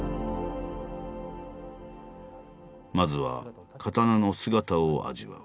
まずは刀の姿を味わう。